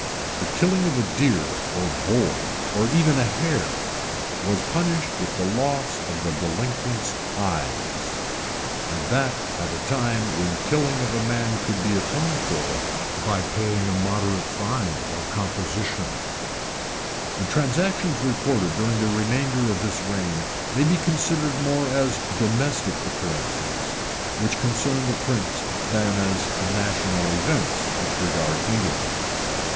The killing of a deer or boar, or even a hare, was punished with the loss of the delinquent's eyes; and that at a time when the killing of a man could be atoned for by paying a moderate fine or composition. [* W. Malms, p. 3. H. Hunting, p. 731. Anglia Sacra, vol. i. p. 258] The transactions recorded during the remainder of this reign may be considered more as domestic occurrences, which concern the prince, than as national events, which regard England.